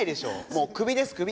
もう首です首。